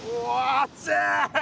熱い？